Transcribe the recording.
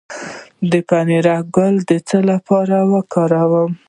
د پنیرک ګل د څه لپاره وکاروم؟